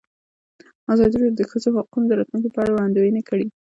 ازادي راډیو د د ښځو حقونه د راتلونکې په اړه وړاندوینې کړې.